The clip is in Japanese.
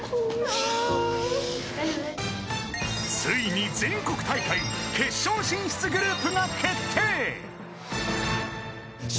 ［ついに全国大会決勝進出グループが決定］